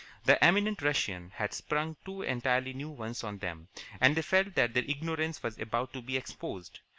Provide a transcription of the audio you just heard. The eminent Russian had sprung two entirely new ones on them, and they felt that their ignorance was about to be exposed.